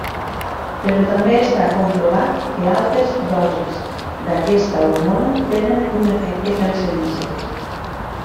Però també està comprovat que altes dosis d'aquesta hormona tenen un efecte cancerigen.